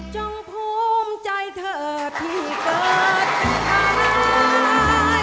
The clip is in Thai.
จงภูมิใจเธอที่เกิดสุดท้าย